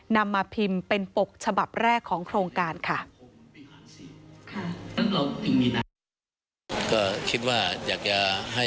นำมาพิมพ์เป็นปกฉบับแรกของโครงการค่ะ